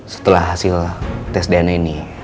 setelah hasil tes dna ini